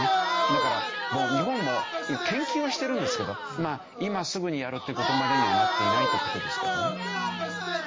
だから日本も研究はしてるんですけど今すぐにやるっていう事までにはなっていないという事ですけどね。